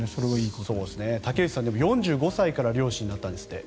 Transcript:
竹内さん、４５歳から漁師になったんですって。